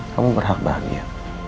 kamu berhak bahagia